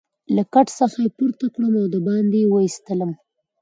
له کټ څخه يې پورته کړم او دباندې يې وایستلم.